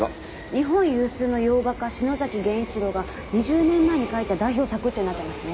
「日本有数の洋画家篠崎源一郎が二十年前に描いた代表作」ってなってますね。